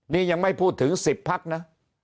นี่ยังไม่พูดถึง๑๐พักนะ